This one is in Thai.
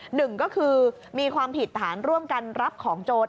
หนึ่งก็คือมีความผิดฐานร่วมกันรับของโจร